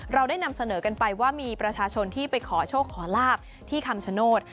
เราได้นำเสนอกันไปว่ามีประชาชนที่ไปขอโชคขอลาบที่คำชโนธ